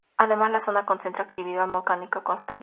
Además, la zona concentra actividad volcánica constante.